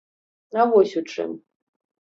А вось у чым.